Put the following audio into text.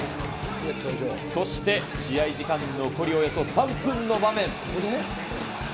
そして、試合時間残りおよそ３分の場面。